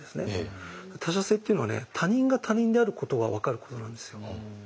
「他者性」っていうのは他人が他人であることが分かることなんですよ。